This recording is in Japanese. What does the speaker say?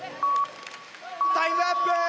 タイムアップ！